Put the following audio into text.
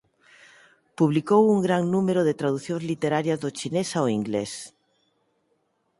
Publicou un gran número de traducións literarias do chinés ao inglés.